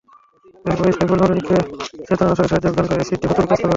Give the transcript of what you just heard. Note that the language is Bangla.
এরপর সাইফুল নওরীনকে চেতনানাশকের সাহায্যে অজ্ঞান করে অ্যাসিড দিয়ে ক্ষতবিক্ষত করে।